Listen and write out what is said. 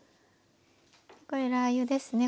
これラー油ですね。